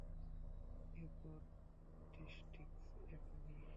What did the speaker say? এ তো district attorney.